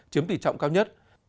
chiếm tỷ trọng cao nhất